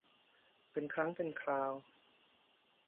เป็นครั้งเป็นคราว